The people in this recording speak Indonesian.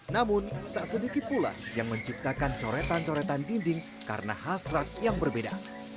namun tak sedikit pula yang menciptakan coretan coretan dinding karena hasrat yang berbeda